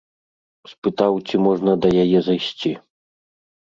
Спытаў, ці можна да яе зайсці.